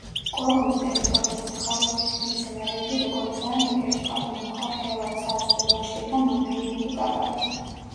კორომის ტერიტორიაზე ხარობს ისეთი მცენარეები, როგორიცაა ნეკერჩხალი, მუხა, თელა, ცაცხვი, ვაშლი და მანჯურიული კაკალი.